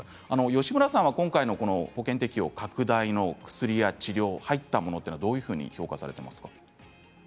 吉村さんは今回の保険適用拡大の薬や治療入ったものはどう評価されていますか。